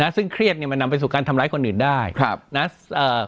ซึ่งเครียดเนี่ยมันนำไปสู่การทำร้ายคนอื่นได้ครับนะเอ่อ